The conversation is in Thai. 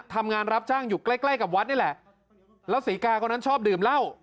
ทำงานรับจ้างอยู่ใกล้ใกล้กับวัดนี่แหละแล้วศรีกาคนนั้นชอบดื่มเหล้า